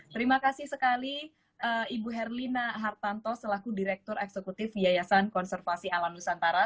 terima kasih sekali ibu herlina hartanto selaku direktur eksekutif yayasan konservasi alan nusantara